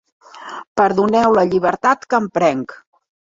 Perdoneu la llibertat que em prenc.